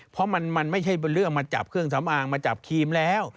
เพราะมันไม่ใช่เป็นเรื่องมาจับเครื่องสำอางมาจับครีมแล้ว